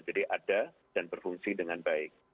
jadi ada dan berfungsi dengan baik